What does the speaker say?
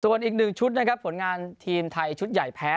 ส่วนอีกหนึ่งชุดนะครับผลงานทีมไทยชุดใหญ่แพ้